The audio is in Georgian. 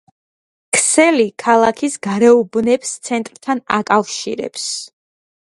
ქსელი ქალაქის გარეუბნებს ცენტრთან აკავშირებს.